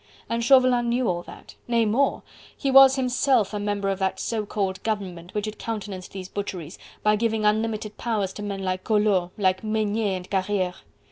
And Chauvelin knew all that. Nay, more! he was himself a member of that so called government which had countenanced these butcheries, by giving unlimited powers to men like Collot, like Maignet and Carriere.